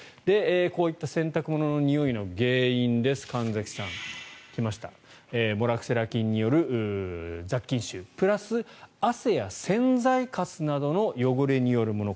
こういった洗濯物のにおいの原因です。来ました、モラクセラ菌による雑菌臭プラス汗や洗剤かすなどによる汚れによるもの